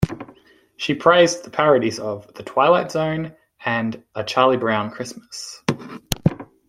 She praised the parodies of "The Twilight Zone" and "A Charlie Brown Christmas".